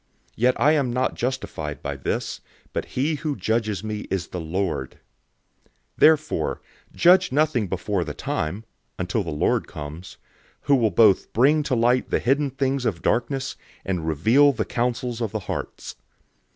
Yet I am not justified by this, but he who judges me is the Lord. 004:005 Therefore judge nothing before the time, until the Lord comes, who will both bring to light the hidden things of darkness, and reveal the counsels of the hearts.